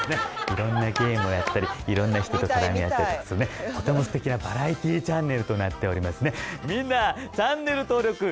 いろんなゲームをやったりいろんな人と絡み合ったりとかするねとても素敵なバラエティーチャンネルとなっておりますね。